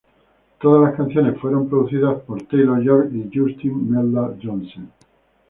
Todas las canciones fueron producidas por Taylor York y Justin Meldal-Johnsen.